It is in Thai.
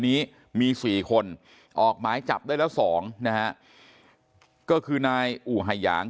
นี้มี๔คนออกหมายจับได้แล้วสองนะฮะก็คือนายอู่หายาง